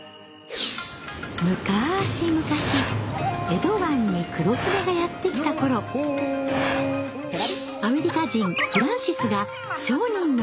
むかしむかし江戸湾に黒船がやって来た頃アメリカ人フランシスが商人の家を訪れました。